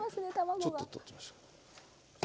ちょっと取ってみましょう。